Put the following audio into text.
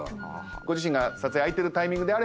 ご自身が撮影空いてるタイミングであれば。